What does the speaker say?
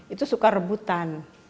itu suka rebutan